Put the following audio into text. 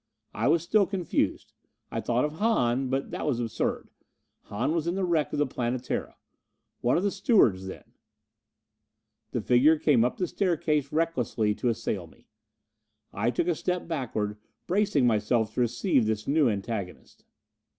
I was still confused. I thought of Hahn. But that was absurd. Hahn was in the wreck of the Planetara. One of the stewards then.... The figure came up the staircase recklessly, to assail me. I took a step backward, bracing myself to receive this new antagonist.